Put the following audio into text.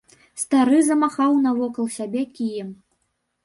Стары замахаў навокал сябе кіем.